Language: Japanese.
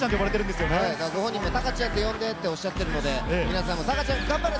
ご本人もタカちゃんと呼んで！とおっしゃっているので、皆さんもタカちゃん頑張れ！